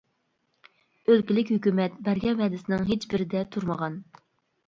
ئۆلكىلىك ھۆكۈمەت بەرگەن ۋەدىسىنىڭ ھېچ بىرىدە تۇرمىغان.